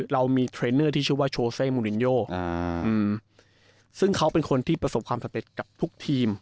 เรามีที่ชื่อว่าอ่าอืมซึ่งเขาเป็นคนที่ประสบความสำเร็จกับทุกทีม